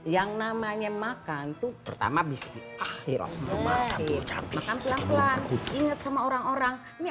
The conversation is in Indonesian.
yang namanya makan tuh pertama bisik akhir akhir makannya pelan pelan inget sama orang orang nih